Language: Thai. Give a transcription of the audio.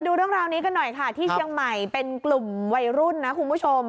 ดูเรื่องราวนี้กันหน่อยค่ะที่เชียงใหม่เป็นกลุ่มวัยรุ่นนะคุณผู้ชม